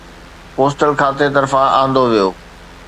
postal کاتي طرفان آندو ويو